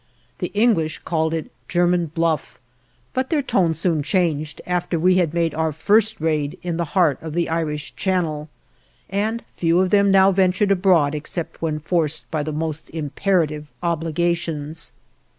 The English called it German bluff, but their tone soon changed after we had made our first raid in the heart of the Irish Channel, and few of them now ventured abroad except when forced by the most imperative obligations.